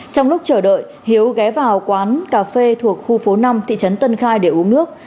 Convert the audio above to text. trong lúc chờ đợi hiếu ghé vào quán cà phê thuộc khu phố năm thị trấn tân khai để uống nước